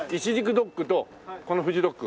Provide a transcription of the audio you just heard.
ドッグとこのフジドッグ。